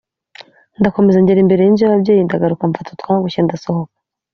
ndakomeza ngera imbere y’inzu y’ababyeyi ndagaruka mfata utwangushye ndasohoka